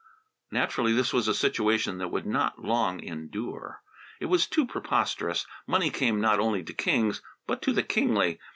Naturally, this was a situation that would not long endure. It was too preposterous. Money came not only to kings but to the kingly.